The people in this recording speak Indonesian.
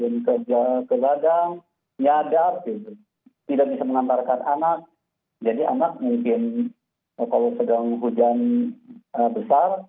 tidak bisa mengantarkan anak jadi anak mungkin kalau sedang hujan besar